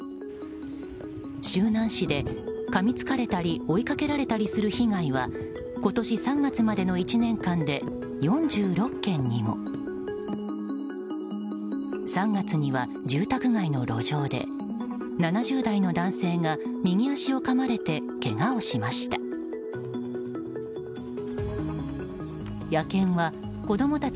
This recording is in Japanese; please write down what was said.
周南市で、かみつかれたり追いかけられたりする被害は今年３月までの１年間で４６件にも。３月には住宅街の路上で７０代の男性が右足をかまれてけがをしました。